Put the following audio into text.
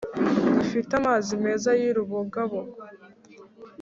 gifite amazi meza y’urubogabogo